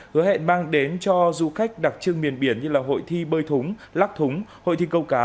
hứa hẹn mang đến cho du khách đặc trưng miền biển như là hội thi bơi thúng lắc thúng hội thi câu cá